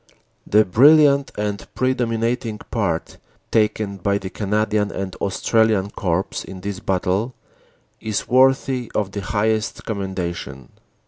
"The brilliant and predominating part taken by the Cana dian and Australian Corps in this battle is worthy of the highest commendation.